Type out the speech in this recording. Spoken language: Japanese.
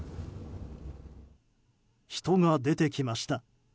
人が出てきました。